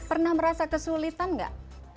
pernah merasa kesulitan tidak